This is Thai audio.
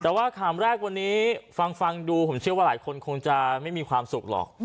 แต่ว่าข่าวแรกวันนี้ฟังดูผมเชื่อว่าหลายคนคงจะไม่มีความสุขหรอก